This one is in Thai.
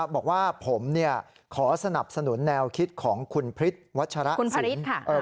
บอกว่าผมขอสนับสนุนแนวคิดของคุณพริษวัชระศิลป์